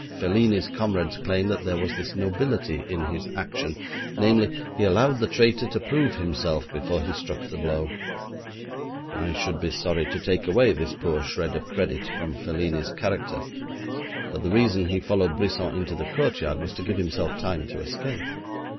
Felini's comrades claim that there was this nobility in his action, namely, he allowed the traitor to prove himself before he struck the blow. I should be sorry to take away this poor shred of credit from Felini's character, but the reason he followed Brisson into the courtyard was to give himself time to escape.